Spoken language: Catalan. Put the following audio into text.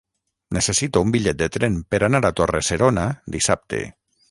Necessito un bitllet de tren per anar a Torre-serona dissabte.